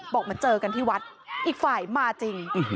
มาเจอกันที่วัดอีกฝ่ายมาจริง